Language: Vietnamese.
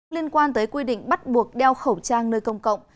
liên quan tới quy định bắt buộc đeo khẩu trang nơi công cộng